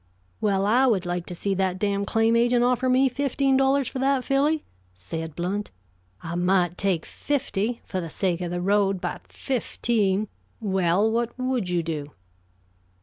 "Well, I would like to see that damned claim agent offer me fifteen dollars for that filly," said Blount. "I might take fifty, for the sake of the road; but fifteen " "Well, what would you do?"